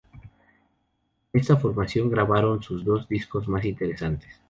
Con esta formación, grabaron sus dos discos más interesantes.